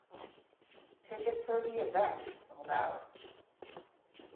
Tickets for the event sold out.